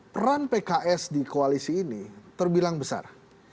peran pks di koalisi ini terbilang besar